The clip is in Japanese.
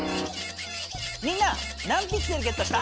みんな何ピクセルゲットした？